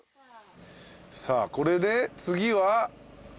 さあこれで次は？